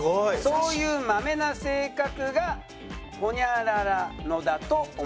「そういうマメな性格がホニャララのだと思います」